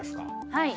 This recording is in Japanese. はい。